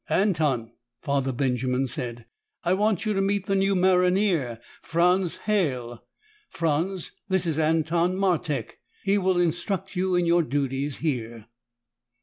"Anton," Father Benjamin said, "I want you to meet the new maronnier, Franz Halle. Franz, this is Anton Martek. He will instruct you in your duties here."